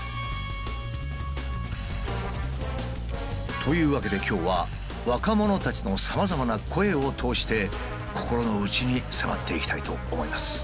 というわけで今日は若者たちのさまざまな声を通して心の内に迫っていきたいと思います。